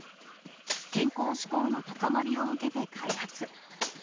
健康志向の高まりを受けて開発。